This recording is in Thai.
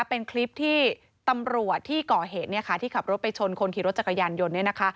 เป็นคลิปที่ตำรวจที่ก่อเหตุที่ขับรถไปชนคนขี่รถจักรยานยนต์